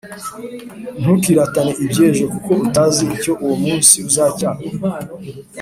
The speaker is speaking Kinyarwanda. ntukiratane iby’ejo, kuko utazi icyo uwo munsi uzacyana